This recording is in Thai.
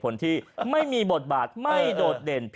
นี่ไม่ได้พูดเองด้วย